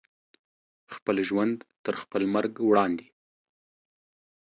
خپل ژوند تر خپل مرګ وړاندې